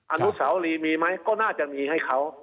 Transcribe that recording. อนุสาวรีมีไหมก็น่าจะมีให้เขา